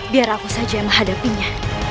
biar aku saja menghadapinya